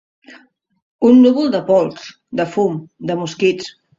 Un núvol de pols, de fum, de mosquits.